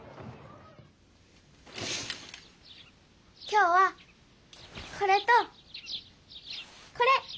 きょうはこれとこれ！